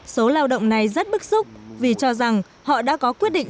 số lao động này rất bức xúc vì cho rằng họ đã có quyết định